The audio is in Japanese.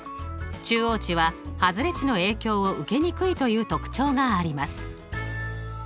中央値は外れ値の影響を受けにくいという特徴があります。